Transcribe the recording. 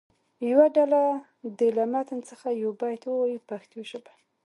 یوه ډله دې له متن څخه یو بیت ووایي په پښتو ژبه.